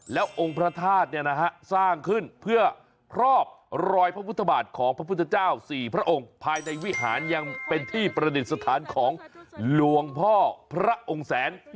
แล้วองค์พระธาตุเนี่ยนะฮะสร้างขึ้นเพื่อครอบรอยพระพุทธบาทของพระพุทธเจ้า๔พระองค์ภายในวิหารยังเป็นที่ประดิษฐานของหลวงพ่อพระองค์แสน